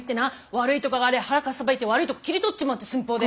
悪いとこがありゃ腹かっさばいて悪いとこ切り取っちまうって寸法で。